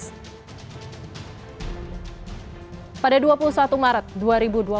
semoga mirip kamu mengerti dan